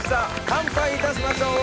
乾杯いたしましょう！